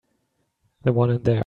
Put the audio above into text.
The one in there.